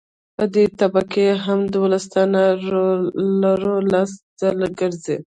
په دې طبقه هم دولس ټنه رولر لس ځله ګرځي